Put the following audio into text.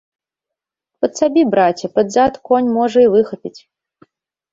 Падсабі, браце, пад зад, конь, можа, і выхапіць.